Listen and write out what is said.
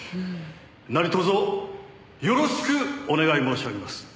「何卒よろしくお願い申し上げます」